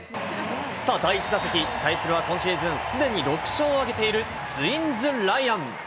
さあ、第１打席、対するは今シーズン、すでに６勝を挙げているツインズ、ライアン。